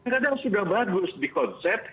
kadang sudah bagus di konsep